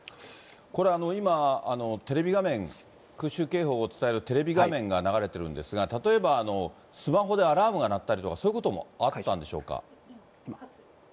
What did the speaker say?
これ、今、テレビ画面、空襲警報を伝えるテレビ画面が流れてるんですが、例えばスマホでアラームが鳴ったりとか、そういうことはあったんでしょうか。